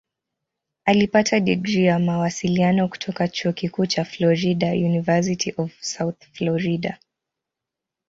Alipata digrii ya Mawasiliano kutoka Chuo Kikuu cha Florida "University of South Florida".